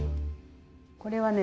これはね